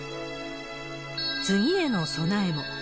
次への備えも。